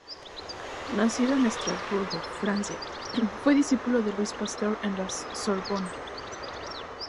Nacido en Estrasburgo, Francia, fue discípulo de Louis Pasteur en la Sorbona.